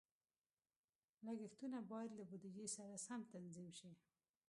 لګښتونه باید له بودیجې سره سم تنظیم شي.